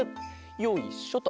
よいしょと。